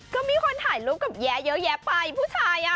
ก็มีคนถ่ายรูปกับแย้เยอะแยะไปผู้ชายอ่ะ